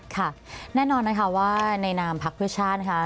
ค่ะแน่นอนนะคะว่าในนามพักเพื่อชาตินะคะ